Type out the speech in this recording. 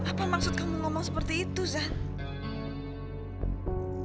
apa maksud kamu ngomong seperti itu zat